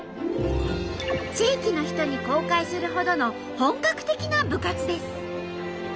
地域の人に公開するほどの本格的な部活です。